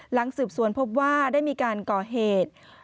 หลังสืบสวนพบว่าได้มีการก่อเหตุ